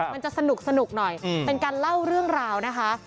มันจะสนุกหน่อยเป็นการเล่าเรื่องราวนะคะ